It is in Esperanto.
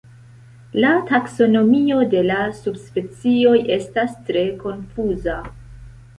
La taksonomio de la subspecioj estas tre konfuza.